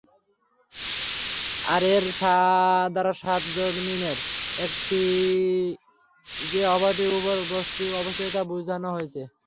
আর এর দ্বারা সাত যমীনের একটি যে অপরটির উপর অবস্থিত তা-ই বুঝানো হয়েছে।